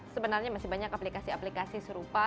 sebenarnya masih banyak aplikasi aplikasi serupa